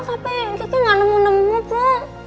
tapi kiki gak nemu nemu bu